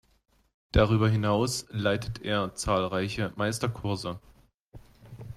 Darüber hinaus leitet er zahlreiche Meisterkurse.